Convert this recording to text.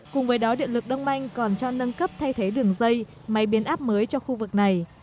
cùng với đó điện lực đông anh còn cho nâng cấp thay thế đường dây máy biến áp mới cho khu vực này